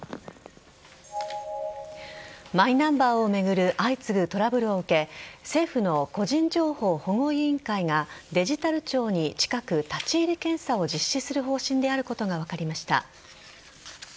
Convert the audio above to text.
マイナンバーを巡る相次ぐトラブルを受け政府の個人情報保護委員会がデジタル庁に近く立ち入り検査を実施する方針であることが分かりました。